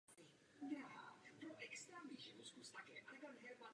Ta slouží umělci zároveň i jako jeho ateliér.